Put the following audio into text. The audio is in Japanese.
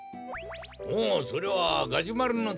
おおそれはガジュマルのきじゃな。